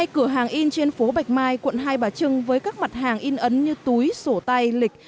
hai cửa hàng in trên phố bạch mai quận hai bà trưng với các mặt hàng in ấn như túi sổ tay lịch